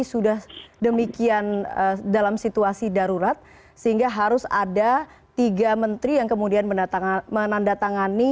sudah demikian dalam situasi darurat sehingga harus ada tiga menteri yang kemudian menandatangani